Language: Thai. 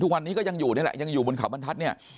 ทุกวันนี้ก็ยังอยู่นี่แหละยังอยู่บนขาวบรรทัศน์เนี่ย